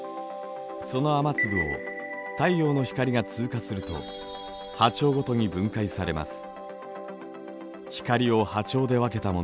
その雨粒を太陽の光が通過すると波長ごとに分解されます。